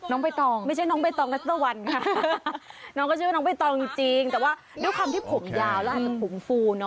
น้องใบตองไม่ใช่น้องใบตองน้องใบตองจริงจริงแต่ว่าด้วยคำที่ผงยาวแล้วอาจจะผงฟูเนอะ